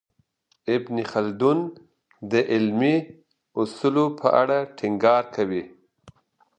ابن خلدون د علمي اصولو په اړه ټینګار کوي.